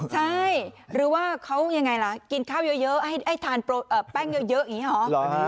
ใช่หรือว่าเขายังไงล่ะกินข้าวเยอะให้ทานแป้งเยอะอย่างนี้หรอ